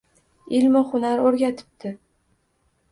Ilmu hunar o‘rgatibdi